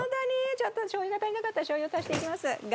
ちょっとしょう油が足りなかったしょう油足していきますが。